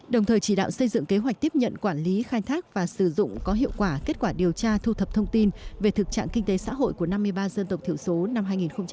đồng thời chỉ đạo xây dựng kế hoạch tiếp nhận quản lý khai thác và sử dụng có hiệu quả kết quả điều tra thu thập thông tin về thực trạng kinh tế xã hội của năm mươi ba dân tộc thiểu số năm hai nghìn một mươi chín